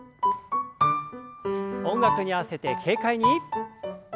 音楽に合わせて軽快に。